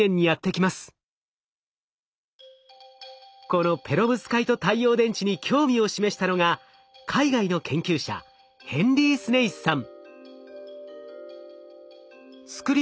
このペロブスカイト太陽電池に興味を示したのが海外の研究者ヘンリー・スネイスさん。